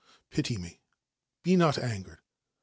Pity me ; be not angered.